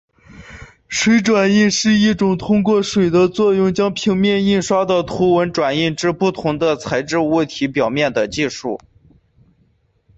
水转印是一种通过水的作用将平面印刷的图文转印至不同材质物体表面的技术。